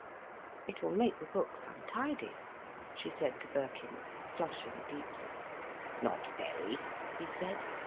"It will make the books untidy," she said to Birkin, flushing deeply. "Not very," he said.